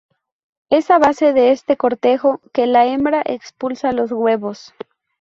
Es a base de este cortejo que la hembra expulsa los huevos.